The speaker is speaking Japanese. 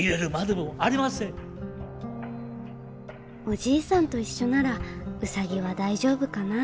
おじいさんと一緒ならウサギは大丈夫かな。